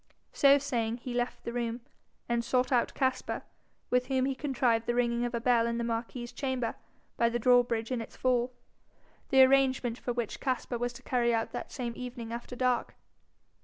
So saying, he left the room, and sought out Caspar, with whom he contrived the ringing of a bell in the marquis's chamber by the drawbridge in its fall, the arrangement for which Caspar was to carry out that same evening after dark.